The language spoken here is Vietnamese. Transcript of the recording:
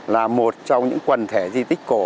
là một trong những quần thể di tích cổ